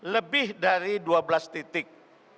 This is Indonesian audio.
lebih dari dua belas titik